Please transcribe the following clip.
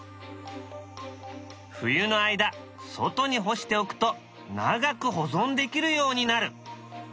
冬の間外に干しておくと長く保存できるようになる。